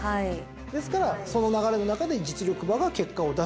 ですからその流れの中で実力馬が結果を出した。